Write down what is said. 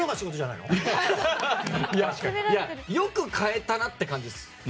いや、よく変えたなって感じです。